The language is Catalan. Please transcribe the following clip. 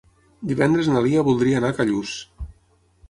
Divendres na Lia voldria anar a Callús.